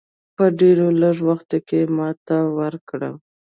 په ډېر لږ وخت کې ماته ورکړه.